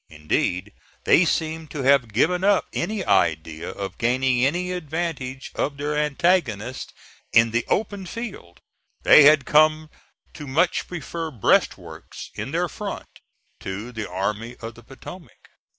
Indeed, they seemed to have given up any idea of gaining any advantage of their antagonist in the open field. They had come to much prefer breastworks in their front to the Army of the Potomac.